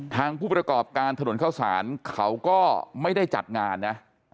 ผู้ประกอบการถนนเข้าสารเขาก็ไม่ได้จัดงานนะ